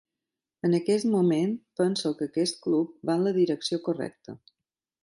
En aquest moment, penso que aquest club va en la direcció correcta.